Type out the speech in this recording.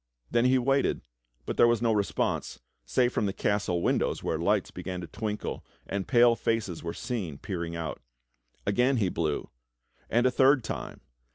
Then he waited, but there was no response, save from the castle windows where lights began to twinkle and pale faces were seen peering out. Again he blew — and a third time.